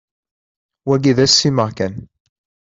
Wagi d assimeɣ kan.